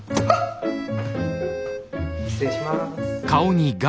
失礼します。